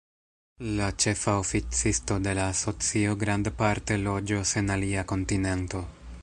La ĉefa oficisto de la asocio grandparte loĝos en alia kontinento.